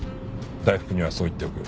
大福にはそう言っておく。